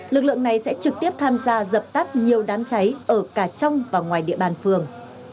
lực lượng này sẽ trực tiếp tham gia dập tắt nhiều đám cháy ở cả trong và ngoài địa bàn phường